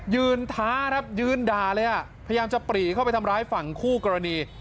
ท้าครับยืนด่าเลยอ่ะพยายามจะปรีเข้าไปทำร้ายฝั่งคู่กรณี